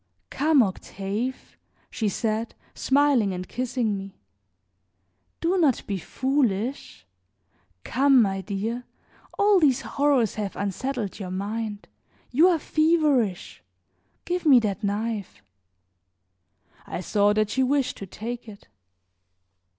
"Come, Octave," she said, smiling and kissing me, "do not be foolish. Come, my dear, all these horrors have unsettled your mind; you are feverish. Give me that knife." I saw that she wished to take it.